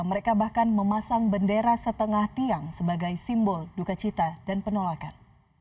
mereka bahkan memasang bendera setengah tiang sebagai simbol duka cita dan penolakan